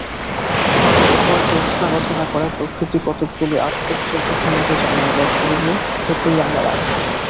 ছাদের উপর জ্যোৎস্না রচনা করা প্রভৃতি কতকগুলি অত্যাশ্চর্য ক্ষমতা জন্মাবার পূর্ব হতেই আমার আছে।